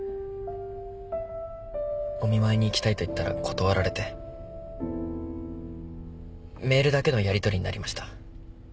お見舞いに行きたいと言ったら断られてメールだけのやりとりになりました。